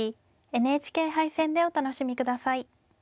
ＮＨＫ杯戦でお楽しみ下さい。